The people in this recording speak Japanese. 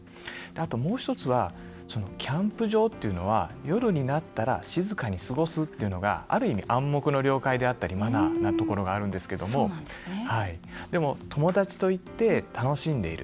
あと、もう１つはキャンプ場というのは夜になったら静かに過ごすというのがある意味、暗黙の了解であったりマナーなところがあるんですけどでも、友達と行って楽しんでいる。